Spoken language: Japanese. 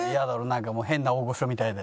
なんかもう変な大御所みたいで。